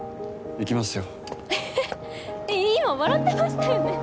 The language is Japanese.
今笑ってましたよね？